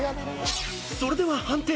［それでは判定。